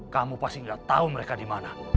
kamu pasti gak tau mereka dimana